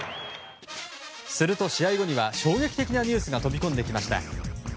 すると、試合後には衝撃的なニュースが飛び込んできました。